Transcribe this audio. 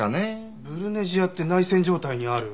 ブルネジアって内戦状態にある？